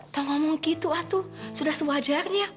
tuh ngomong gitu atu sudah sewajarnya